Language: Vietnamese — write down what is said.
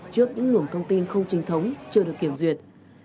trước những luồng thông tin không chính thống chưa được kiểm duyệt